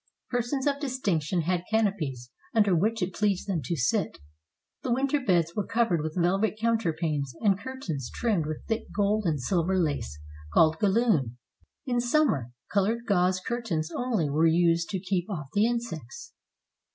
Persons of distinction had canopies, under which it pleased them to sit. The winter beds were covered with velvet counterpanes, and curtains trimmed with thick gold and silver lace, called galloon. In summer, colored gauze curtains only were used to keep off the insects.